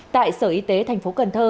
tại sở y tế thành phố cần thơ